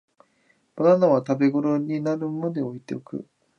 バナナは食べごろになるまで置いておく